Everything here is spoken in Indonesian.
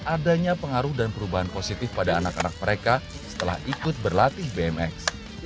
adanya pengaruh dan perubahan positif pada anak anak mereka setelah ikut berlatih bmx